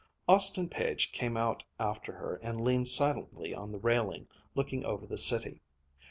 Austin Page came out after her and leaned silently on the railing, looking over the city.